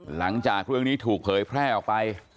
หลังจากเรื่องนี้ถูกเผยแพร่ออกไป